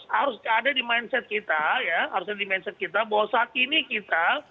harus ada di mindset kita ya harusnya di mindset kita bahwa saat ini kita